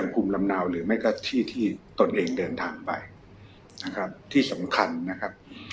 ภูมิลำเนาหรือไม่ก็ที่ที่ตนเองเดินทางไปนะครับที่สำคัญนะครับ